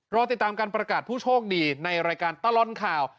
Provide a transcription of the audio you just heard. รอติดตามการประกาศผู้โชคดีในรายการตลอดข่าว